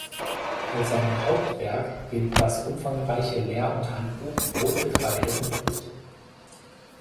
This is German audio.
Als sein Hauptwerk gilt das umfangreiche Lehr- und Handbuch "Brotgetreide und Brot".